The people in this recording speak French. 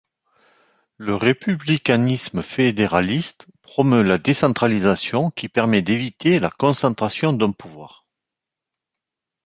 Le républicanisme fédéraliste promeut la décentralisation qui permet d'éviter la concentration d'un pouvoir.